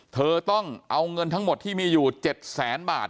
เธอต้องเอาเงินทั้งหมดที่มีอยู่๗แสนบาท